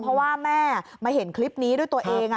เพราะว่าแม่มาเห็นคลิปนี้ด้วยตัวเอง